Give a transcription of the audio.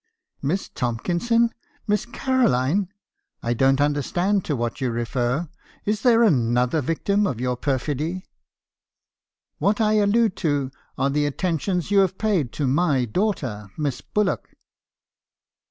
"' Miss Tomkinson ! Miss Caroline ! I don't understand to what you refer. Is there another victim to your perfidy ! What I allude to are the attentions you have paid to my daughter, Miss Bullock."